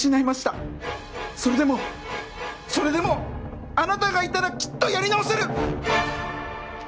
それでもそれでもあなたがいたらきっとやり直せる！